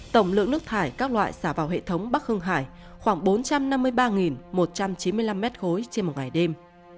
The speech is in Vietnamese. tổng lượng nước thải các loại xả vào hệ thống bắc hưng hải khoảng bốn trăm năm mươi ba một trăm chín mươi năm m ba trên một ngày đêm